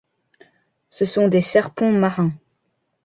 Ce sont des serpents marins.